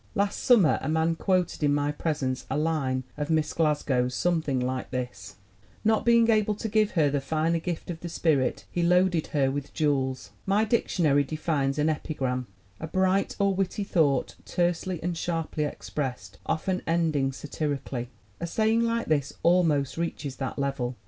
Last summer a man quoted in my presence a line of Miss Glasgow's, something like this: 'Not being able to ELLEN GLASGOW 35 give her the finer gift of the spirit, he loaded her with jewels/ "My dictionary defines an epigram, 'A bright or witty thought tersely and sharply expressed, often ending satirically/ A saying like this almost reaches that level.